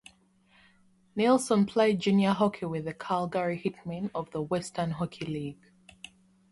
Nielsen played junior hockey with the Calgary Hitmen of the Western Hockey League.